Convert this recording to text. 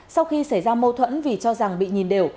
sau khi xảy ra mâu thuẫn vì cho rằng bị nhìn đều